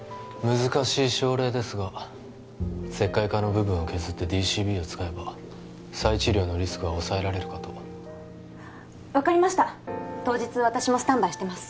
難しい症例ですが石灰化の部分を削ってＤＣＢを使えば再治療のリスクは抑えられるかと分かりました当日私もスタンバイしてます